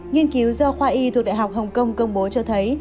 nghiên cứu do khoa y thuộc đại học hồng kông công bố cho thấy